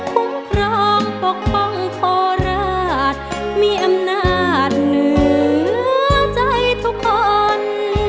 คุ้มครองปกป้องโคราชมีอำนาจเหนือใจทุกคน